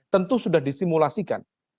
tentu sudah disimulasikan